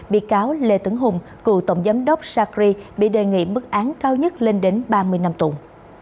bị cáo lê tấn hùng cựu tổng giám đốc sacri bị đề nghị mức án cao nhất lên đến ba mươi năm tù